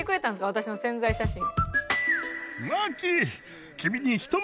私の宣材写真。